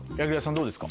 どうですか？